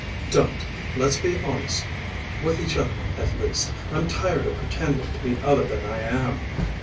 "Don't. Let's be honest with each other, at least. I'm tired of pretending to be other than I am.